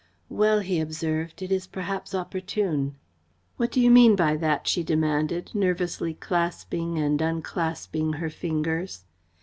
"Well," he observed, "it is perhaps opportune." "What do you mean by that?" she demanded, nervously clasping and unclasping her fingers.